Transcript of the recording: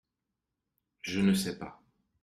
Je ne sais pas !